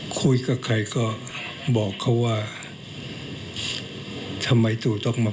คุยกับใครก็บอกเขาว่า